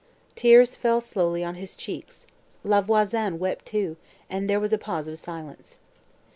Tears fell slowly on his cheeks; La Voisin wept too, and there was a pause of silence.